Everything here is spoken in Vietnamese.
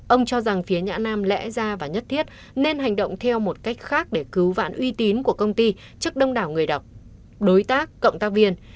ông cho rằng phía nhã nam lẽ ra và nhất thiết nên hành động theo một cách khác để cứu vãn uy tín của công ty trước đông đảo người đọc đối tác cộng tác viên